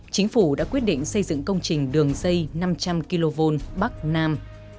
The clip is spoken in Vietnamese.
chính phủ đã quyết định xây dựng công trình đường dây năm trăm linh kv bắc nam